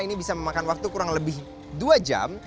ini bisa memakan waktu kurang lebih dua jam